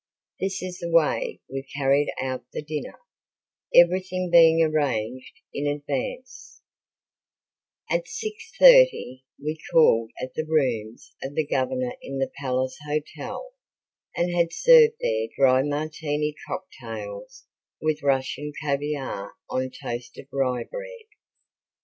This is the way we carried out the dinner, everything being arranged in advance: At 6:30 we called at the rooms of the Governor in the Palace Hotel and had served there dry Martini cocktails with Russian caviar on toasted rye bread.